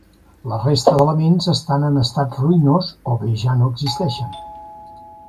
La resta d’elements estan en estat ruïnós o bé ja no existeixen.